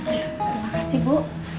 terima kasih bu